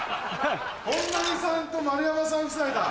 本並さんと丸山さん夫妻だ。